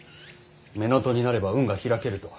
乳母父になれば運が開けると。